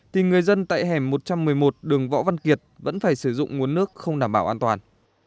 thì người dân tại hẻm một trăm một mươi một đường võ văn kiệt vẫn phải sử dụng nguồn nước không đảm bảo an toàn